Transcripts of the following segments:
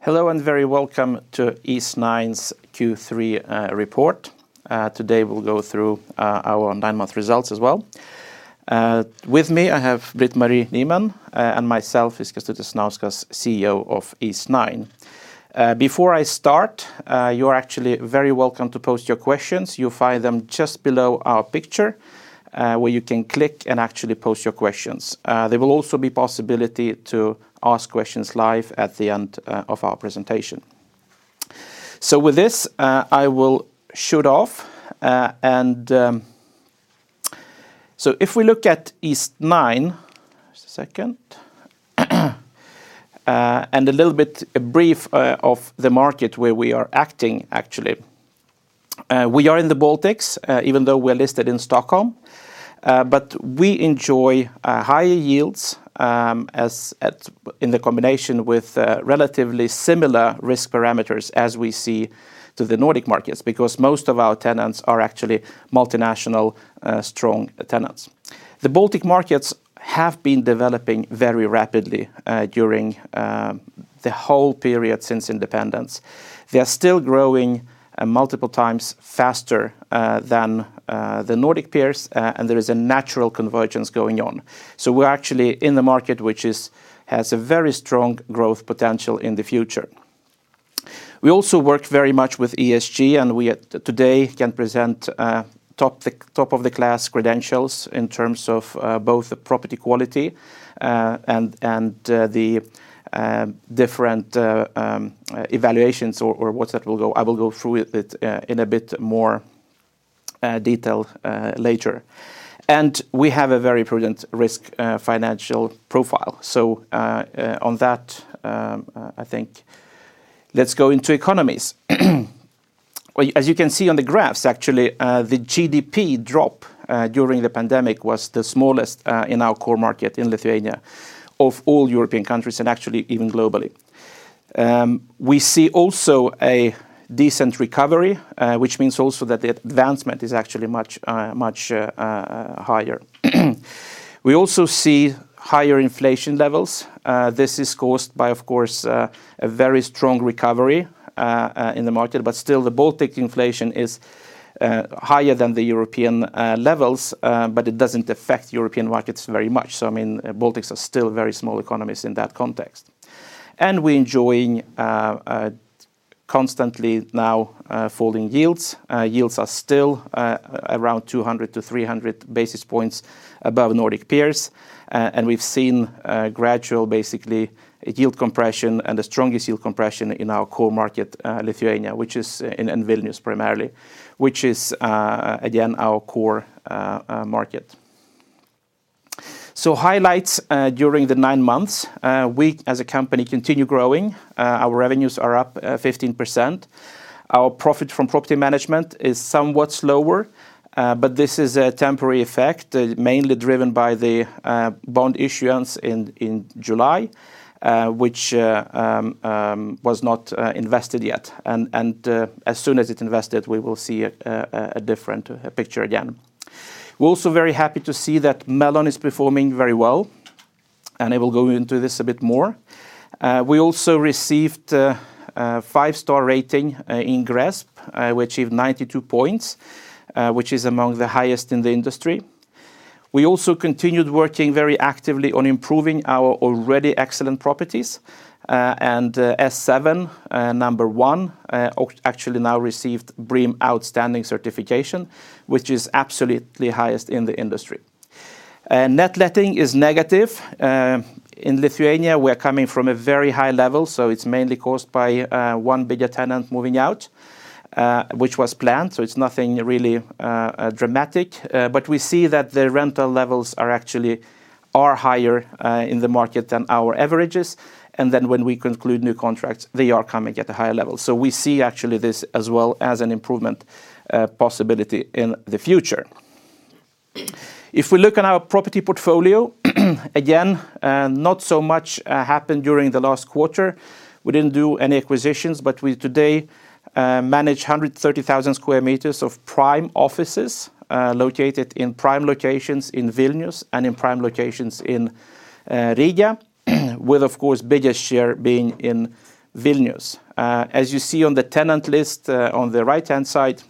Hello, and very welcome to Eastnine's Q3 report. Today we'll go through our nine-month results as well. With me, I have Britt-Marie Nyman, and myself is Kęstutis Sasnauskas, CEO of Eastnine. Before I start, you are actually very welcome to post your questions. You'll find them just below our picture, where you can click and actually post your questions. There will also be possibility to ask questions live at the end of our presentation. With this, I will shoot off. If we look at Eastnine. Just a second. A little bit brief of the market where we are acting, actually. We are in the Baltics, even though we're listed in Stockholm. But we enjoy higher yields, as at... In combination with relatively similar risk parameters as we see to the Nordic markets because most of our tenants are actually multinational strong tenants. The Baltic markets have been developing very rapidly during the whole period since independence. They are still growing multiple times faster than the Nordic peers. There is a natural convergence going on. We're actually in the market which has a very strong growth potential in the future. We also work very much with ESG, and we today can present top-of-the-class credentials in terms of both the property quality and the different evaluations or what I will go through it in a bit more detail later. We have a very prudent risk financial profile. On that, I think let's go into economies. Well, as you can see on the graphs actually, the GDP drop during the pandemic was the smallest in our core market in Lithuania of all European countries, and actually even globally. We see also a decent recovery, which means also that the advancement is actually much higher. We also see higher inflation levels. This is caused by, of course, a very strong recovery in the market. Still the Baltic inflation is higher than the European levels. It doesn't affect European markets very much. I mean, Baltics are still very small economies in that context. We're enjoying constantly now falling yields. Yields are still around 200-300 basis points above Nordic peers. We've seen gradual, basically yield compression and the strongest yield compression in our core market, Lithuania, which is in Vilnius primarily. Which is again our core market. Highlights during the nine months. We as a company continue growing. Our revenues are up 15%. Our profit from property management is somewhat slower, but this is a temporary effect, mainly driven by the bond issuance in July, which was not invested yet. As soon as it's invested, we will see a different picture again. We're also very happy to see that Melon is performing very well, and I will go into this a bit more. We also received a five-star rating in GRESB. We achieved 92 points, which is among the highest in the industry. We also continued working very actively on improving our already excellent properties. S7 number one actually now received BREEAM Outstanding certification, which is absolutely highest in the industry. Net letting is negative. In Lithuania, we're coming from a very high level, so it's mainly caused by one bigger tenant moving out, which was planned, so it's nothing really dramatic. But we see that the rental levels are actually higher in the market than our averages. Then when we conclude new contracts, they are coming at a higher level. We see actually this as well as an improvement possibility in the future. If we look at our property portfolio, again, not so much happened during the last quarter. We didn't do any acquisitions, but we today manage 130,000 sq m of prime offices, located in prime locations in Vilnius and in prime locations in Riga, with of course bigger share being in Vilnius. As you see on the tenant list, on the right-hand side,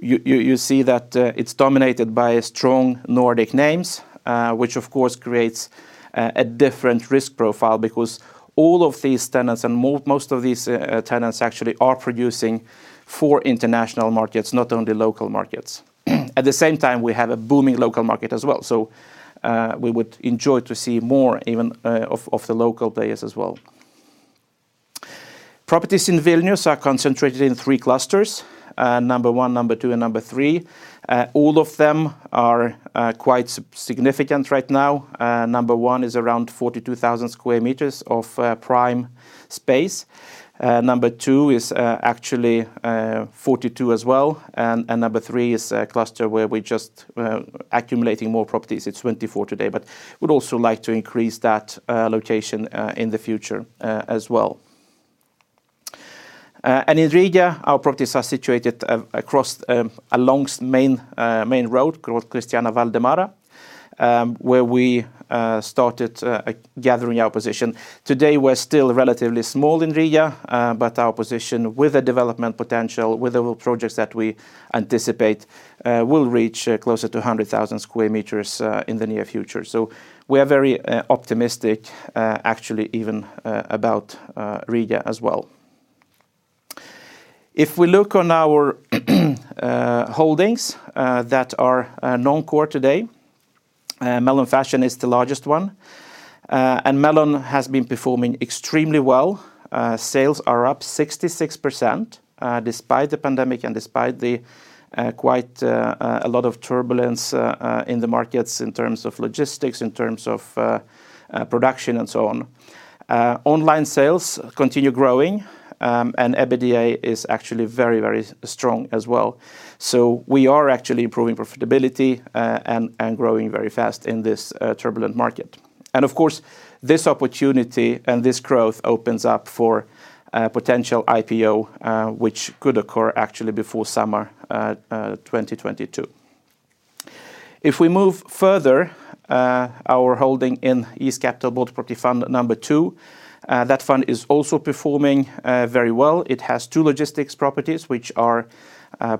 you see that it's dominated by strong Nordic names, which of course creates a different risk profile because all of these tenants and most of these tenants actually are producing for international markets, not only local markets. At the same time, we have a booming local market as well. We would enjoy to see more even of the local players as well. Properties in Vilnius are concentrated in three clusters, number one, number two, and number three. All of them are quite significant right now. Number one is around 42,000 sq m of prime space. Number two is actually 42,000 sq m as well. Number three is a cluster where we're just accumulating more properties. It's 24,000 sq m today, but we'd also like to increase that location in the future as well. In Riga, our properties are situated along main road called Krišjāņa Valdemāra, where we started gathering our position. Today, we're still relatively small in Riga, but our position with the development potential, with the projects that we anticipate, will reach closer to 100,000 sq m in the near future. We are very optimistic, actually, even about Riga as well. If we look on our holdings that are non-core today, Melon Fashion is the largest one. Melon Fashion has been performing extremely well. Sales are up 66%, despite the pandemic and despite quite a lot of turbulence in the markets in terms of logistics, in terms of production and so on. Online sales continue growing, and EBITDA is actually very, very strong as well. We are actually improving profitability, and growing very fast in this turbulent market. Of course, this opportunity and this growth opens up for a potential IPO, which could occur actually before summer 2022. If we move further, our holding in East Capital Baltic Property Fund II, that fund is also performing very well. It has two logistics properties, which are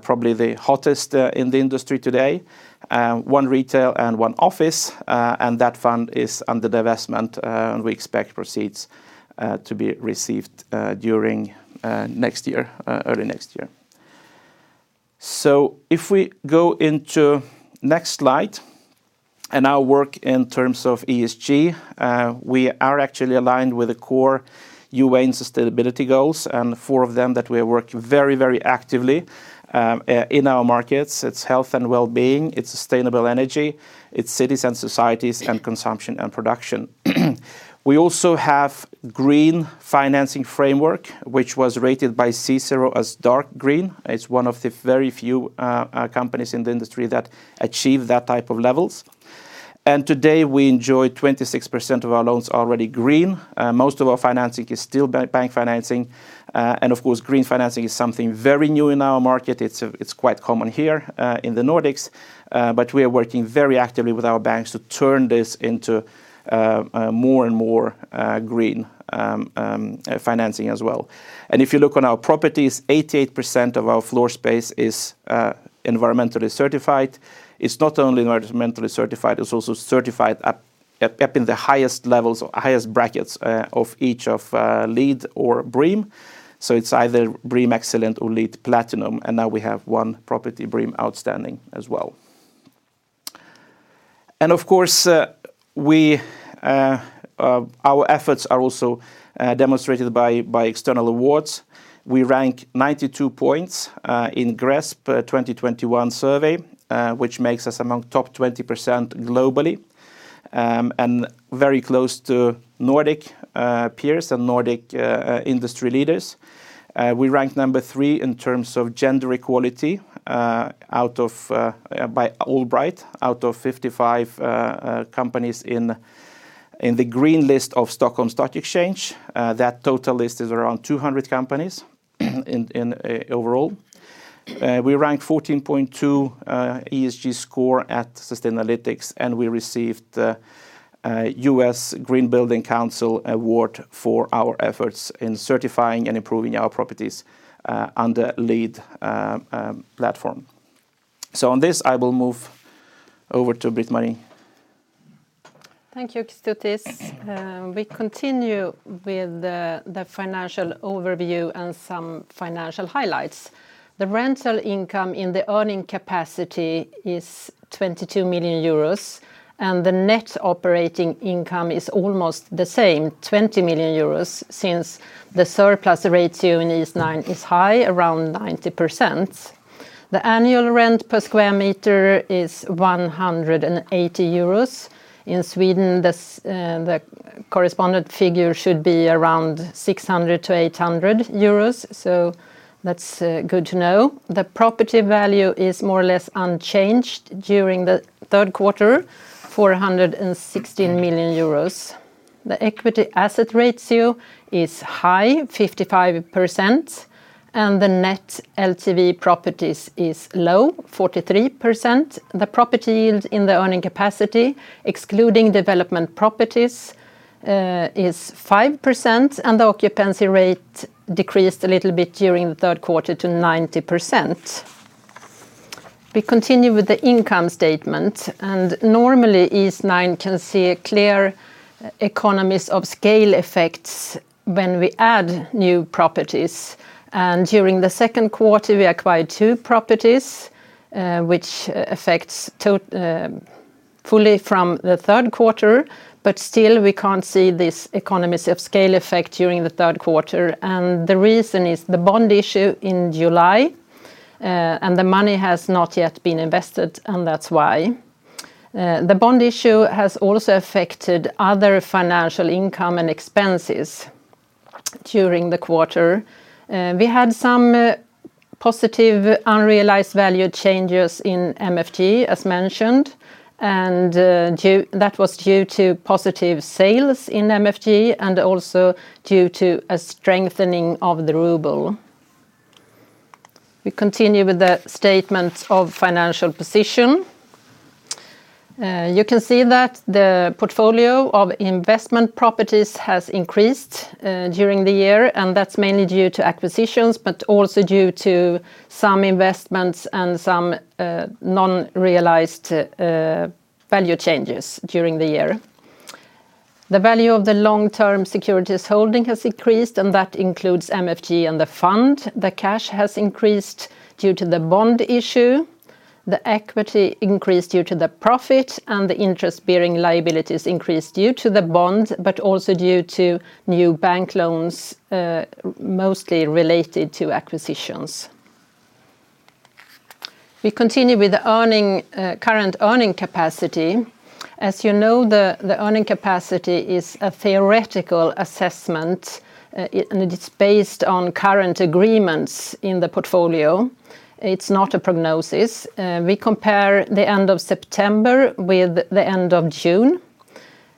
probably the hottest in the industry today, one retail and one office. That fund is under divestment, and we expect proceeds to be received during next year, early next year. If we go into next slide, and our work in terms of ESG, we are actually aligned with the core UN sustainability goals, and four of them that we are working very, very actively in our markets. It's health and wellbeing, it's sustainable energy, it's cities and societies, and consumption and production. We also have green financing framework, which was rated by CICERO as dark green. It's one of the very few companies in the industry that achieve that type of levels. Today we enjoy 26% of our loans already green. Most of our financing is still bank financing. Of course, green financing is something very new in our market. It's quite common here in the Nordics, but we are working very actively with our banks to turn this into more and more green financing as well. If you look on our properties, 88% of our floor space is environmentally certified. It's not only environmentally certified, it's also certified up in the highest levels or highest brackets of each of LEED or BREEAM. It's either BREEAM excellent or LEED Platinum. Now we have one property BREEAM outstanding as well. Of course, our efforts are also demonstrated by external awards. We rank 92 points in GRESB 2021 survey, which makes us among top 20% globally, and very close to Nordic peers and Nordic industry leaders. We rank number three in terms of gender equality by AllBright, out of 55 companies in the green list of Stockholm Stock Exchange. That total list is around 200 companies overall. We rank 14.2 ESG score at Sustainalytics, and we received a U.S. Green Building Council award for our efforts in certifying and improving our properties on the LEED platform. On this, I will move over to Britt-Marie. Thank you, Kęstutis. We continue with the financial overview and some financial highlights. The rental income in the earning capacity is 22 million euros, and the net operating income is almost the same, 20 million euros, since the surplus ratio in Eastnine is high, around 90%. The annual rent per square meter is 180 euros. In Sweden, this, the corresponding figure should be around 600-800 euros. That's good to know. The property value is more or less unchanged during the third quarter, 416 million euros. The equity asset ratio is high, 55%, and the net LTV properties is low, 43%. The property yield in the earning capacity, excluding development properties, is 5%, and the occupancy rate decreased a little bit during the third quarter to 90%. We continue with the income statement, and normally, Eastnine can see clear economies of scale effects when we add new properties. During the second quarter, we acquired two properties, which affects fully from the third quarter, but still, we can't see this economies of scale effect during the third quarter. The reason is the bond issue in July, and the money has not yet been invested, and that's why. The bond issue has also affected other financial income and expenses during the quarter. We had some positive, unrealized value changes in MFG as mentioned, and that was due to positive sales in MFG and also due to a strengthening of the ruble. We continue with the statement of financial position. You can see that the portfolio of investment properties has increased during the year, and that's mainly due to acquisitions, but also due to some investments and some non-realized value changes during the year. The value of the long-term securities holding has increased, and that includes MFG and the fund. The cash has increased due to the bond issue. The equity increased due to the profit, and the interest-bearing liabilities increased due to the bond but also due to new bank loans, mostly related to acquisitions. We continue with the current earning capacity. As you know, the earning capacity is a theoretical assessment, and it's based on current agreements in the portfolio. It's not a prognosis. We compare the end of September with the end of June,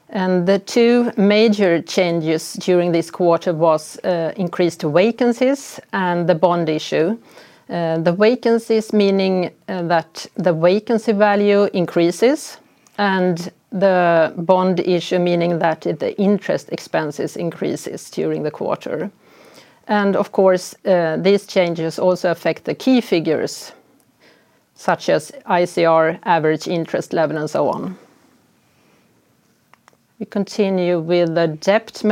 and the two major changes during this quarter was increased vacancies and the bond issue. The vacancies meaning that the vacancy value increases, and the bond issue meaning that the interest expenses increases during the quarter. Of course, these changes also affect the key figures such as ICR, average interest level, and so on. We continue with the debt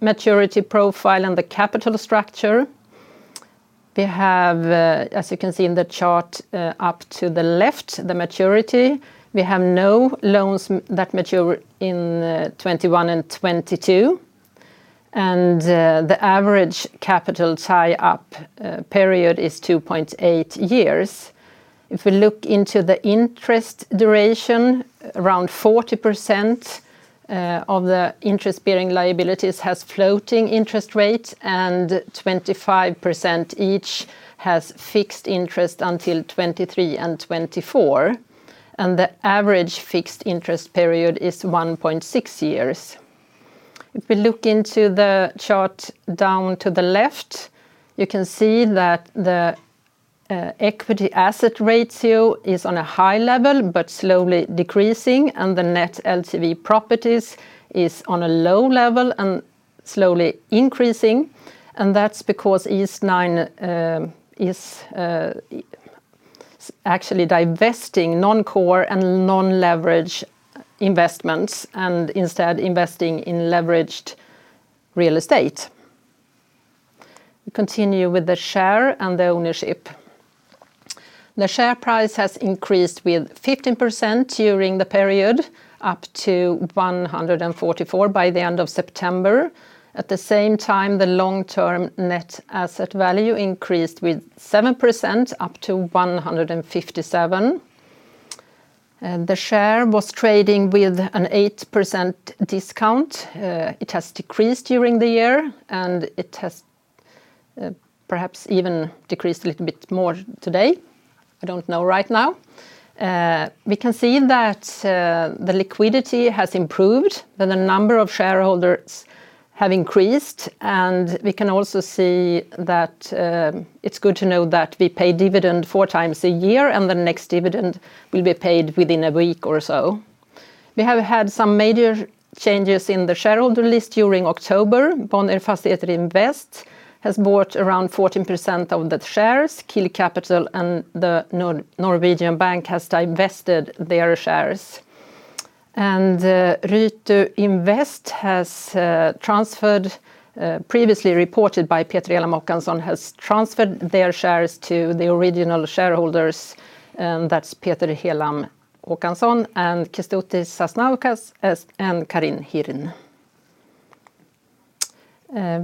maturity profile and the capital structure. We have, as you can see in the chart, up to the left, the maturity. We have no loans that mature in 2021 and 2022. The average capital tie-up period is 2.8 years. If we look into the interest duration, around 40% of the interest-bearing liabilities has floating interest rate, and 25% each has fixed interest until 2023 and 2024. The average fixed interest period is 1.6 years. If we look into the chart down to the left, you can see that the equity asset ratio is on a high level but slowly decreasing, and the net LTV properties is on a low level and slowly increasing, and that's because Eastnine actually divesting non-core and non-leverage investments and instead investing in leveraged real estate. We continue with the share and the ownership. The share price has increased with 15% during the period, up to 144 by the end of September. At the same time, the long-term net asset value increased with 7%, up to 157. The share was trading with an 8% discount. It has decreased during the year, and it has perhaps even decreased a little bit more today. I don't know right now. We can see that the liquidity has improved, that the number of shareholders have increased, and we can also see that. It's good to know that we pay dividend 4x a year, and the next dividend will be paid within a week or so. We have had some major changes in the shareholder list during October. Bonnier Fastigheter Invest has bought around 14% of the shares. East Capital and the Norwegian bank has divested their shares. Rytu Invest, previously reported by Peter Elam Håkansson, has transferred their shares to the original shareholders, and that's Peter Elam Håkansson and Kęstutis Sasnauskas and Karine Hirn.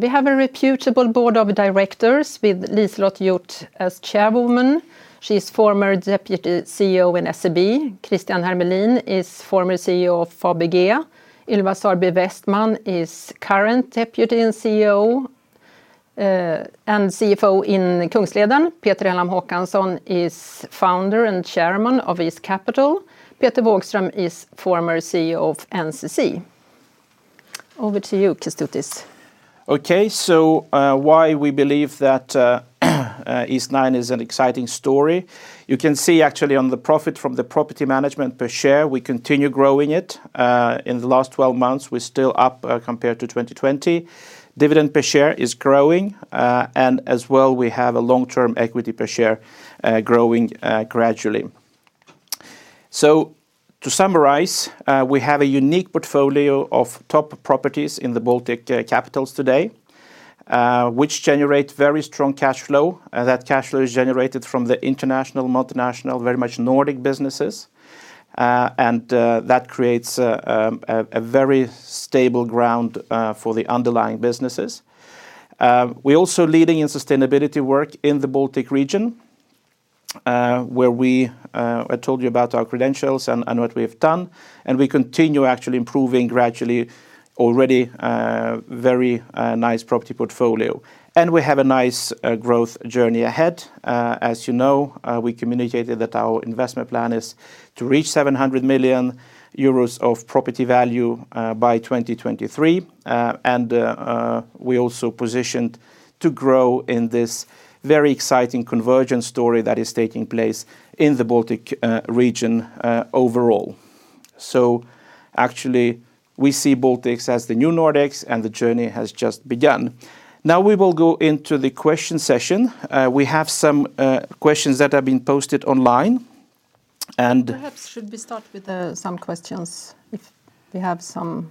We have a reputable Board of Directors with Liselotte Hjorth as Chairwoman. She is former Deputy CEO in SEB. Christian Hermelin is former CEO of Fabege. Ylva Sarby Westman is current Deputy CEO and CFO in Kungsleden. Peter Elam Håkansson is Founder and Chairman of East Capital. Peter Wågström is former CEO of NCC. Over to you, Kęstutis. Why we believe that Eastnine is an exciting story? You can see actually on the profit from the property management per share, we continue growing it. In the last 12 months, we're still up compared to 2020. Dividend per share is growing, and as well we have a long-term equity per share, growing gradually. To summarize, we have a unique portfolio of top properties in the Baltic capitals today, which generate very strong cash flow. That cash flow is generated from the international, multinational, very much Nordic businesses, and that creates a very stable ground for the underlying businesses. We're also leading in sustainability work in the Baltic region, where we, I told you about our credentials and what we have done, and we continue actually improving gradually already a very nice property portfolio. We have a nice growth journey ahead. As you know, we communicated that our investment plan is to reach 700 million euros of property value by 2023. We also positioned to grow in this very exciting convergence story that is taking place in the Baltic region overall. Actually, we see Baltics as the new Nordics, and the journey has just begun. Now we will go into the question session. We have some questions that have been posted online, and Perhaps we should start with some questions if we have some?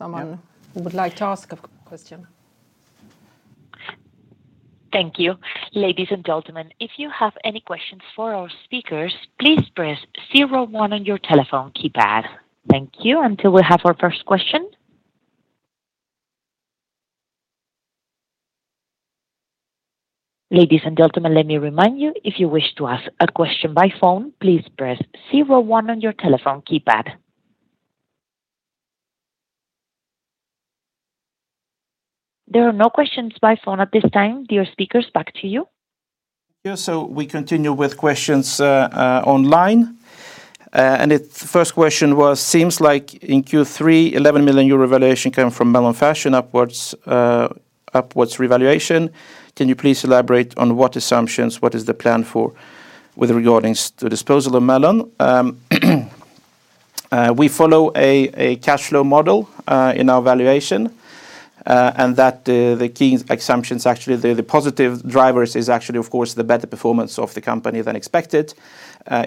Yeah would like to ask a question. Thank you. Ladies and gentlemen, if you have any questions for our speakers, please press zero one on your telephone keypad. Thank you until we have our first question. Ladies and gentlemen, let me remind you, if you wish to ask a question by phone, please press zero one on your telephone keypad. There are no questions by phone at this time. Dear speakers, back to you. Yeah, we continue with questions online. First question was, "Seems like in Q3, 11 million euro valuation came from Melon Fashion upwards revaluation. Can you please elaborate on what assumptions, what is the plan for regarding disposal of Melon?" We follow a cashflow model in our valuation, and that the key assumptions, actually, the positive drivers is actually, of course, the better performance of the company than expected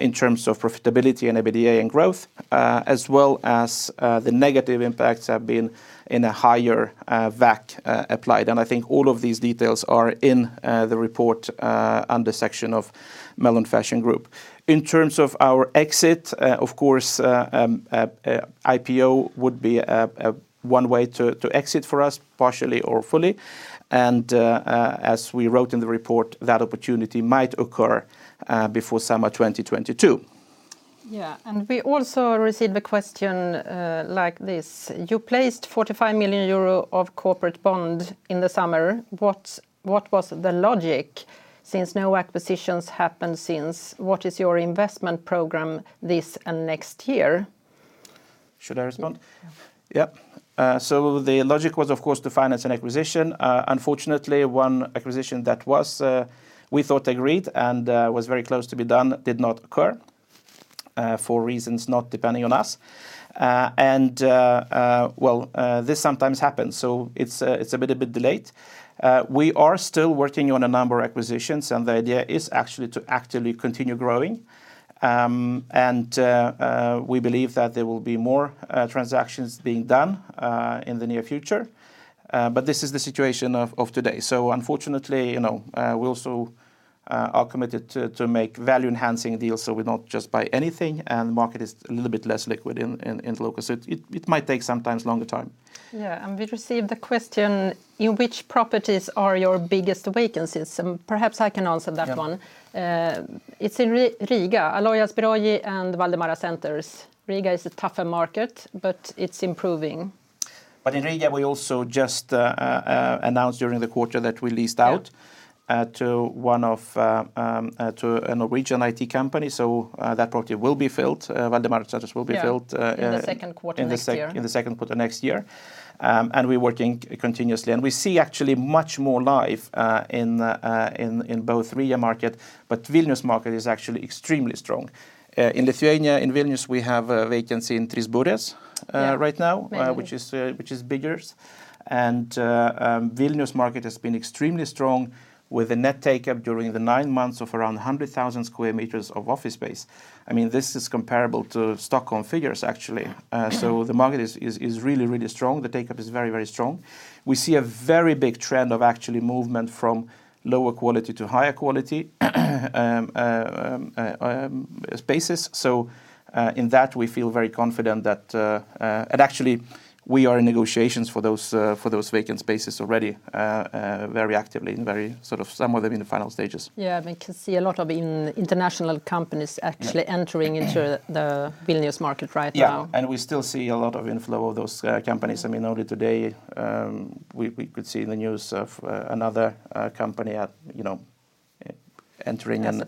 in terms of profitability and EBITDA and growth, as well as the negative impacts have been in a higher WACC applied. I think all of these details are in the report under section of Melon Fashion Group. In terms of our exit, of course, IPO would be a one way to exit for us partially or fully. As we wrote in the report, that opportunity might occur before summer 2022. Yeah. We also received a question like this: "You placed 45 million euro of corporate bond in the summer. What was the logic since no acquisitions happened since? What is your investment program this and next year? Should I respond? Yeah. Yep. The logic was, of course, to finance an acquisition. Unfortunately, one acquisition that we thought was agreed and was very close to be done did not occur, for reasons not depending on us. Well, this sometimes happens, so it's a bit of a delay. We are still working on a number of acquisitions, and the idea is actually to actively continue growing. We believe that there will be more transactions being done in the near future. This is the situation as of today. Unfortunately, you know, we also are committed to make value-enhancing deals, so we not just buy anything, and the market is a little bit less liquid in Vilnius. It might take sometimes longer time. Yeah. We've received a question: "In which properties are your biggest vacancies?" Perhaps I can answer that one. Yeah. It's in Riga, Alojas Biroji and Valdemara Centrs. Riga is a tougher market, but it's improving. In Riga, we also just announced during the quarter that we leased out. Yeah... to a Norwegian IT company. That property will be filled. Valdemara Centrs will be filled, in- Yeah. In the second quarter next year.... in the second quarter next year. We're working continuously. We see actually much more life in both Riga market, but Vilnius market is actually extremely strong. In Lithuania, in Vilnius, we have a vacancy in 3Burės. Yeah right now. Many which is bigger. Vilnius market has been extremely strong with a net take-up during the nine months of around 100,000 sq m of office space. I mean, this is comparable to Stockholm figures actually. The market is really strong. The take-up is very strong. We see a very big trend of actually movement from lower quality to higher quality spaces. In that, we feel very confident that and actually we are in negotiations for those vacant spaces already very actively and very sort of some of them in the final stages. Yeah. We can see a lot of international companies actually. Yeah entering into the Vilnius market right now. Yeah. We still see a lot of inflow of those companies. I mean, only today, we could see in the news of another company, you know, entering and.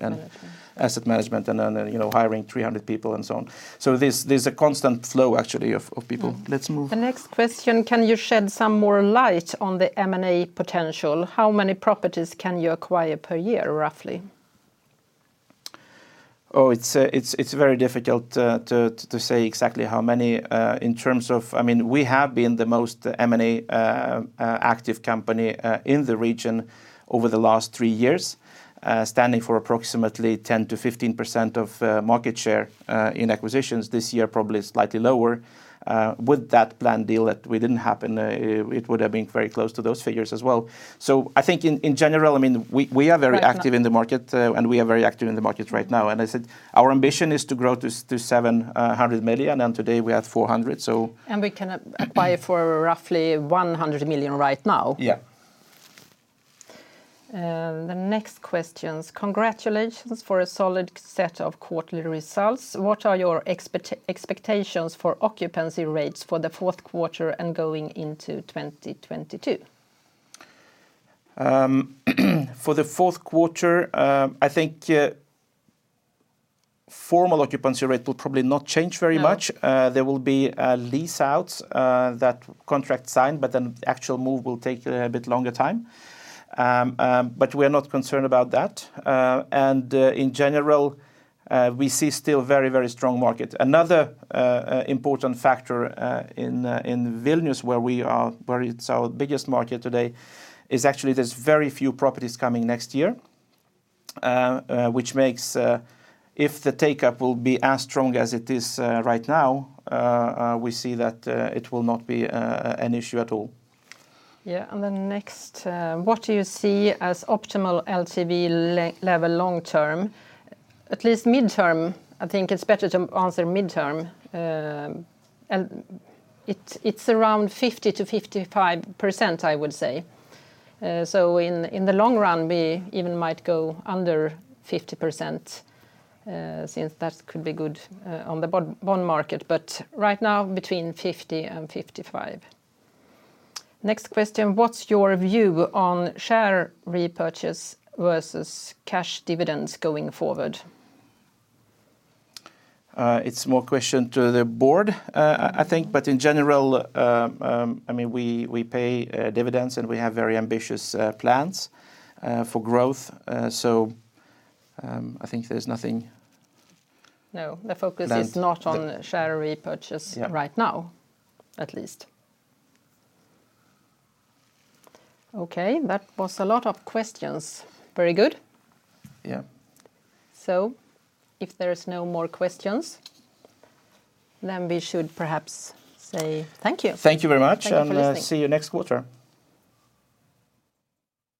Asset management asset management and then, you know, hiring 300 people and so on. There's a constant flow actually of people. Let's move. The next question: "Can you shed some more light on the M&A potential? How many properties can you acquire per year roughly? Oh, it's very difficult to say exactly how many in terms of. I mean, we have been the most M&A active company in the region over the last three years, standing for approximately 10%-15% of market share in acquisitions. This year probably slightly lower. With that planned deal that didn't happen, it would have been very close to those figures as well. I think in general, I mean, we are very active. But, uh-... in the market, and we are very active in the market right now. I said our ambition is to grow to 700 million, and today we have 400 million. We can acquire for roughly 100 million right now. Yeah. The next questions. Congratulations for a solid set of quarterly results. What are your expectations for occupancy rates for the fourth quarter and going into 2022? For the fourth quarter, I think formal occupancy rate will probably not change very much. No. There will be lease outs that contract signed, but an actual move will take a bit longer time. We're not concerned about that. In general, we see still very, very strong market. Another important factor in Vilnius where it's our biggest market today is actually there's very few properties coming next year. Which makes if the take-up will be as strong as it is right now, we see that it will not be an issue at all. Yeah. Next, what do you see as optimal LTV level long-term? At least midterm, I think it's better to answer midterm. It's around 50%-55%, I would say. In the long run we even might go under 50%, since that could be good on the bond market. Right now between 50% and 55%. Next question, what's your view on share repurchase versus cash dividends going forward? It's more a question to the Board, I think. In general, I mean, we pay dividends and we have very ambitious plans for growth. I think there's nothing- No planned. The focus is not on share repurchase. Yeah right now, at least. Okay. That was a lot of questions. Very good. Yeah. If there are no more questions, then we should perhaps say thank you. Thank you very much. Thank you for listening. See you next quarter.